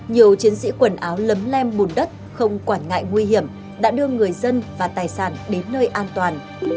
nhiều chiến sĩ quần áo lấm lem bùn đất không quản ngại nguy hiểm đã đưa người dân và tài sản đến nơi an toàn